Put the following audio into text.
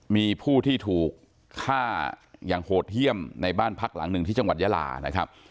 มีผู้ที่ถูกฆ่าอย่างโหดเยี่ยมในบ้านพักหลังหนึ่งที่จังหวัดยาลานะครับ